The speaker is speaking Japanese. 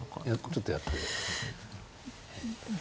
ちょっとやってみて。